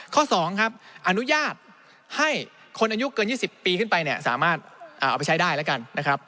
ข้อ๒ครับอนุญาตให้คนอายุเกิน๒๐ปีขึ้นไปเนี่ยสามารถเอาไปใช้ได้แล้วกันนะครับ